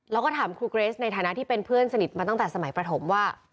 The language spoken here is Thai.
แล้วก็ถามครูเกรสในฐานะที่เป็นเพื่อนสนิทมาตั้งแต่สมัยประถมว่า